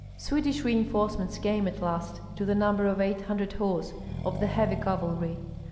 Swedish reinforcements came at last, to the number of eight hundred horse, of the heavy cavalry.